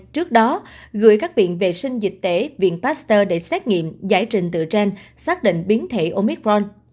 trước đó gửi các viện vệ sinh dịch tễ viện pasteur để xét nghiệm giải trình từ trên xác định biến thể omicron